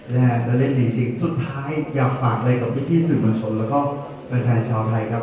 และเล่นดีจริงสุดท้ายอยากฝากเลยกับพี่พี่สุภาชนและการแทนชาวไทยครับ